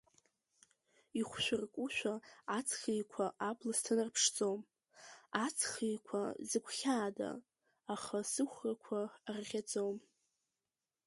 Ихәшәыркушәа аҵх еиқәа абла сҭанарԥшӡом, аҵх еиқәа зыгәхьаада, аха сыхәрақәа арӷьаӡом.